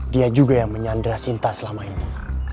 dia juga yang menyandera sinta selama ini